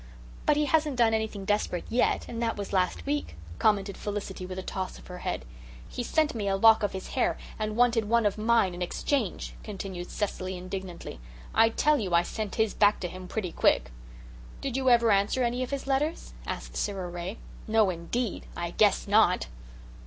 "But he hasn't done anything desperate yet, and that was last week," commented Felicity, with a toss of her head. "He sent me a lock of his hair and wanted one of mine in exchange," continued Cecily indignantly. "I tell you I sent his back to him pretty quick." "Did you never answer any of his letters?" asked Sara Ray. "No, indeed! I guess not!"